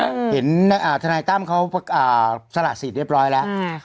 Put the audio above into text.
อ่าเห็นอ่าธนายต้ำเขาสระสีดเรียบร้อยแล้วอ่า